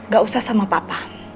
gak usah sama papa